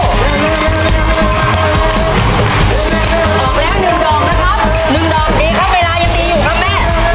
ออกแล้ว๑ดอกนะครับ๑ดอกดีครับเวลายังดีอยู่ครับแม่